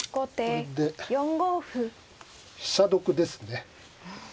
これで飛車得ですね。